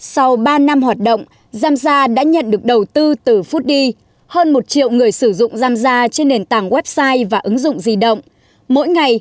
sau ba năm hoạt động giamgia đã nhận được đầu tư từ foodie hơn một triệu người sử dụng giamgia trên nền tảng website và ứng dụng di động